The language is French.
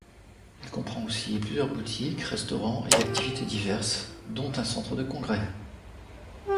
Il comprend aussi plusieurs boutiques, restaurants et activités diverses dont un centre de congrès.